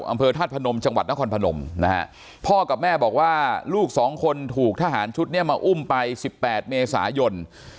อำเภอธาตุพนมจังหวัดนครพนมนะฮะพ่อกับแม่บอกว่าลูกสองคนถูกทหารชุดนี้มาอุ้มไป๑๘เมษายน